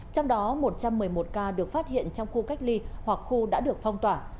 trong đó một trăm một mươi một ca được phát hiện trong khu cách ly hoặc khu đã được phong tỏa